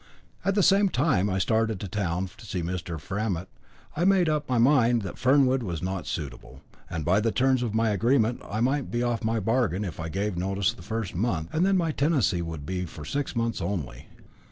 At the same time I started for town to see Mr. Framett. I had made up my mind that Fernwood was not suitable, and by the terms of my agreement I might be off my bargain if I gave notice the first month, and then my tenancy would be for the six months only.